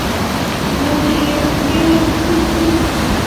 Much kepun kewelutik tugul